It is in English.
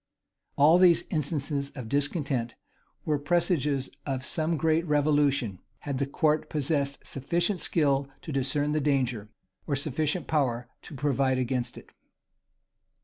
[v] All these instances of discontent were presages of some great revolution, had the court possessed sufficient skill to discern the danger, or sufficient power to provide against it.